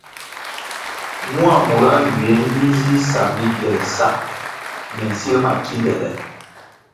Mua mura nywie mi nzi sambi giel sa ñe nsil ma kindele.